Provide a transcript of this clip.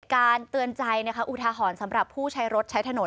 เหตุการณ์เตือนใจอุทาหรณ์สำหรับผู้ใช้รถใช้ถนน